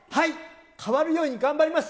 変わるように頑張ります。